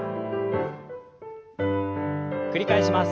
繰り返します。